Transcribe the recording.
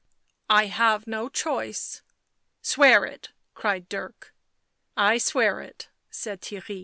" I have no choice." " Swear it," cried Dirk. " I swear it," said Theirry.